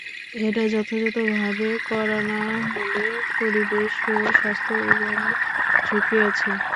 এটা যথাযথভাবে করা না হলে, পরিবেশ ও স্বাস্থ্য উভয়ের ঝুঁকি আছে।